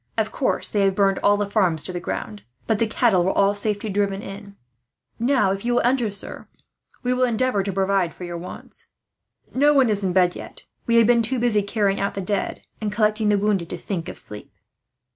"Of course they have burned all the farina to the ground, but the cattle were all safely driven in here, before they arrived. "Now if you will enter, sir, we will endeavour to provide for your wants. No one is yet in bed. We have been too busy carrying out the dead, and collecting the wounded, to think of sleep."